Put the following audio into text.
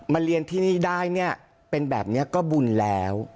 เรียนที่นี่ได้เนี่ยเป็นแบบนี้ก็บุญแล้ว